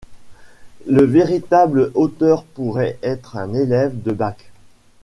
Le véritable auteur pourrait être un élève de Bach.